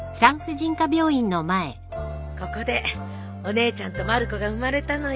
ここでお姉ちゃんとまる子が生まれたのよ。